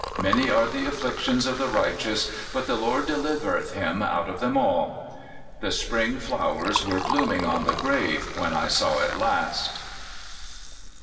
Many are the afflictions of the righteous, but the Lord de livereth him out of them all. The spring flowers were blooming on the grave when I saw it last.